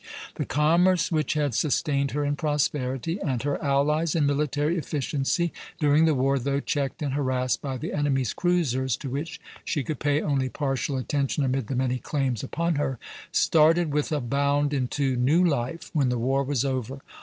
The commerce which had sustained her in prosperity, and her allies in military efficiency, during the war, though checked and harassed by the enemy's cruisers (to which she could pay only partial attention amid the many claims upon her), started with a bound into new life when the war was over.